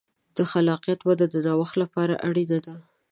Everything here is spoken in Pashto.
د خلاقیت وده د نوښت لپاره اړینه ده.